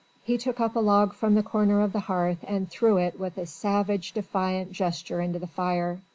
He took up a log from the corner of the hearth and threw it with a savage, defiant gesture into the fire.